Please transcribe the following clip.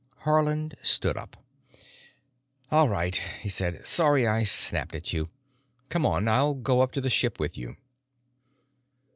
Haarland stood up. "All right," he said. "Sorry I snapped at you. Come on; I'll go up to the ship with you."